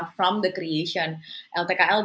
hanya karena dari pembentukan ini